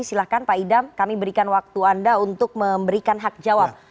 silahkan pak idam kami berikan waktu anda untuk memberikan hak jawab